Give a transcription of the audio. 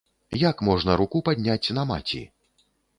Як можна руку падняць на маці?